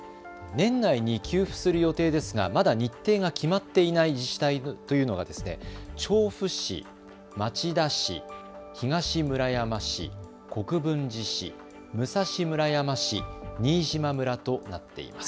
年内に給付する予定ですがまだ日程が決まっていない自治体というのが調布市、町田市、東村山市、国分寺市、武蔵村山市、新島村となっています。